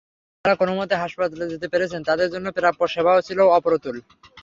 যাঁরা কোনোমতো হাসপাতালে যেতে পেরেছেন, তাঁদের জন্যও প্রাপ্য সেবাও ছিল অপ্রতুল।